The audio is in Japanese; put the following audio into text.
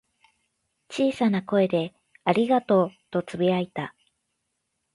小さな声で「ありがとう」とつぶやいた。